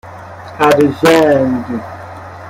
ارژنگ